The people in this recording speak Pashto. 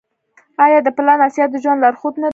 آیا د پلار نصیحت د ژوند لارښود نه دی؟